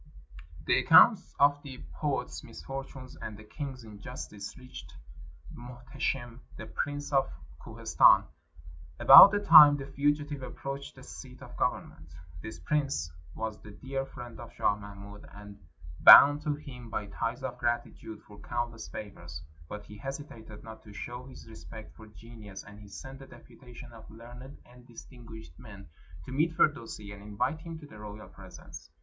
The accounts of the poet's misfortunes and the king's injustice reached Muhteshim, the Prince of Kohistan, about the time the fugitive approached the seat of government. This prince was the dear friend of Shah Mahmud, and bound to him by ties of gratitude for countless favors ; but he hesitated not to show his respect for genius, and he sent a deputation of learned and distinguished men to meet Firdusi and invite him to the royal presence.